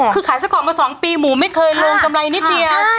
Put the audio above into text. คือขายไส้กรอกมา๒ปีหมูไม่เคยลงกำไรนิดเดียว